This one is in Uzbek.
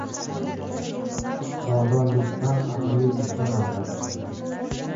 • Nodon do‘stdan aqlli dushman afzal.